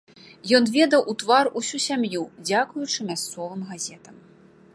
Ён ведаў у твар усю сям'ю, дзякуючы мясцовым газетам.